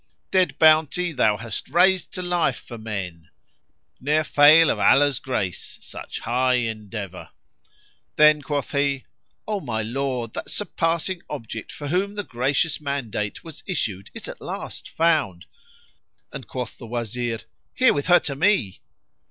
Dead Bounty thou hast raised to life for men; * Ne'er fail of Allah's grace such high endeavour!" Then quoth he, "O my lord, that surpassing object for whom the gracious mandate was issued is at last found; [FN#5]" and quoth the Wazir, "Here with her to me!"